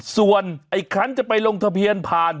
ส่วนไอ้คันจะไปลงทะเบียนผ่าน